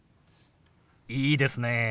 いいですね。